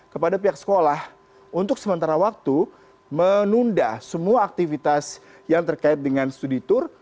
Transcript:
kepada pihak sekolah untuk sementara waktu menunda semua aktivitas yang terkait dengan studi tour